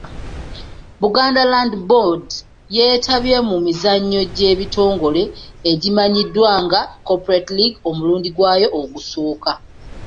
Buganda Land Board yeetabye mu mizannyo gy'ebitongole egimannyiddwa nga Corporate League omulundi gwayo ogusoose.